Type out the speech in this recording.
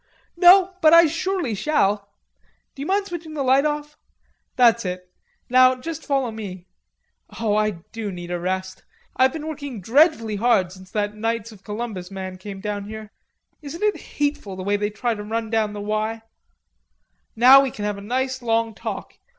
"No; but I surely shall.... D'you mind switching the light off?... That's it. Now just follow me. Oh, I do need a rest. I've been working dreadfully hard since that Knights of Columbus man came down here. Isn't it hateful the way they try to run down the 'Y'?... Now we can have a nice long talk.